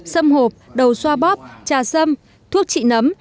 xâm hộp đầu xoa bóp trà sâm thuốc trị nấm